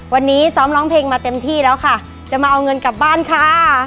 วันนี้ซ้อมร้องเพลงมาเต็มที่แล้วค่ะจะมาเอาเงินกลับบ้านค่ะ